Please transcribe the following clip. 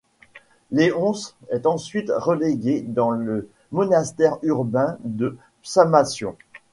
Léonce est ensuite relégué dans le monastère urbain de Psamathion.